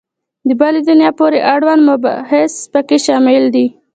د بلي دنیا پورې اړوند مباحث په کې شامل دي.